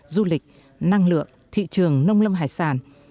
du lịch năng lượng thị trường nông lâm hải sản